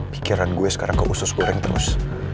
pikiran gue sekarang keusus goreng terus